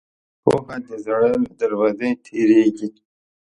پوهه د زړه له دروازې تېرېږي.